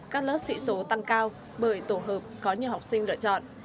các lớp sĩ số tăng cao bởi tổ hợp có nhiều học sinh lựa chọn